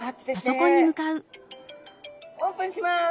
オープンします。